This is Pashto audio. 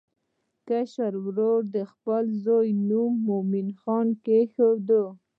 کشر ورور د خپل زوی نوم مومن خان کېښود.